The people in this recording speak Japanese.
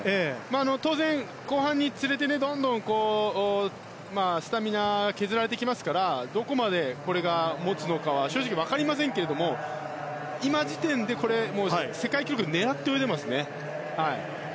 当然、後半につれてどんどんスタミナを削られてきますからどこまでこれが持つのかは正直、分かりませんが今時点で、世界記録を狙って泳いでますね。